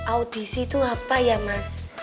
audisi itu apa ya mas